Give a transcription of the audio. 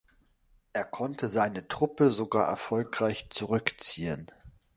Er konnte seine Truppe sogar erfolgreich zurückziehen.